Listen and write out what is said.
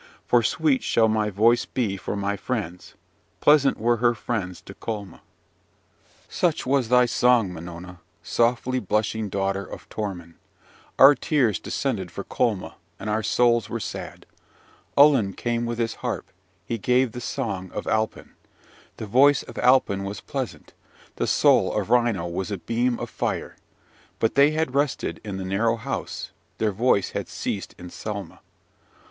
For sweet shall my voice be for my friends: pleasant were her friends to Colma. "Such was thy song, Minona, softly blushing daughter of Torman. Our tears descended for Colma, and our souls were sad! Ullin came with his harp; he gave the song of Alpin. The voice of Alpin was pleasant, the soul of Ryno was a beam of fire! But they had rested in the narrow house: their voice had ceased in Selma!